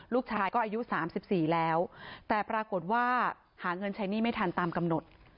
ลูกชายก็อายุ๓๔แล้วแต่ปรากฏว่าหาเงินใช้หนี้ไม่ทันตามกำหนด